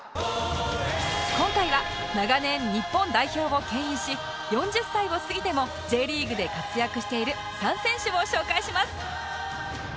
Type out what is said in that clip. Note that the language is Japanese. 今回は長年日本代表をけん引し４０歳を過ぎても Ｊ リーグで活躍している３選手を紹介します